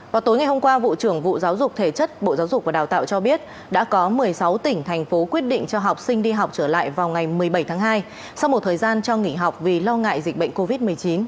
vào tối ngày hôm qua vụ trưởng vụ giáo dục thể chất bộ giáo dục và đào tạo cho biết đã có một mươi sáu tỉnh thành phố quyết định cho học sinh đi học trở lại vào ngày một mươi bảy tháng hai sau một thời gian cho nghỉ học vì lo ngại dịch bệnh covid một mươi chín